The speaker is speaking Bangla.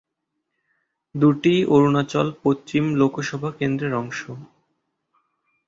দুটিই অরুণাচল পশ্চিম লোকসভা কেন্দ্রের অংশ।